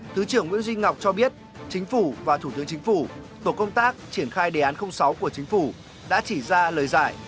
thứ trưởng nguyễn duy ngọc cho biết chính phủ và thủ tướng chính phủ tổ công tác triển khai đề án sáu của chính phủ đã chỉ ra lời giải